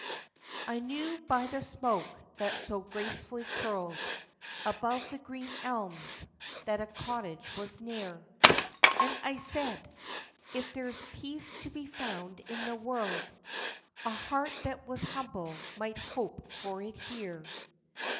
"I knew by the smoke that so gracefully curled Above the green elms, that a cottage was near; And I said, 'If there's peace to be found in the world, A heart that was humble might hope for it here.